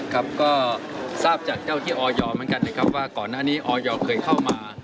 ครับก็ทราบจากเจ้าที่ออยเหมือนกันนะครับว่าก่อนหน้านี้ออยเคยเข้ามา